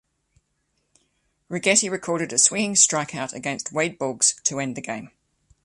Righetti recorded a swinging strikeout against Wade Boggs to end the game.